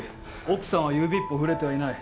奥さんは指一本触れてはいない。